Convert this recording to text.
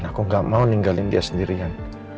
aku gak mau ninggalin dia sendirian